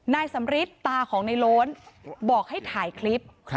นายสำริทตาของในโล้นบอกให้ถ่ายคลิป